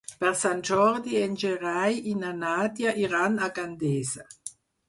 Per Sant Jordi en Gerai i na Nàdia iran a Gandesa.